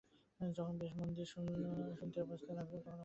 যখন বেশ মন দিয়ে শুনতে আর বুঝতে লাগলুম, তখন অবাক হলুম।